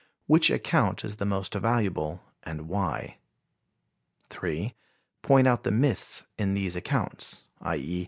Which account is the most valuable, and why? 3. Point out the myths in these accounts, i. e.